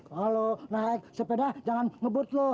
kalo naik sepeda jangan ngebut lo